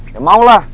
ya mau lah